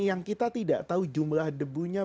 yang kita tidak tahu jumlah debunya